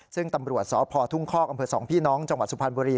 ซึ่งตำรวจศพพธุ้งคอกกสองพี่น้องจังหวัดสุพรรณบุรี